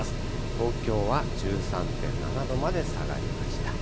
東京は１３．７度まで下がりました。